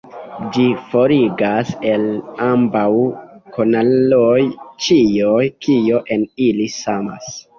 Ĝi forigas el ambaŭ kanaloj ĉion, kio en ili samas.